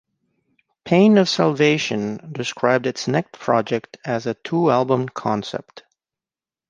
Pain of Salvation described its next project as a two album concept.